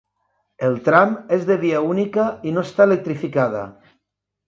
El tram és de via única i no està electrificada.